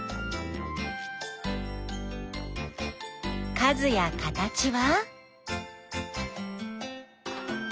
数や形は？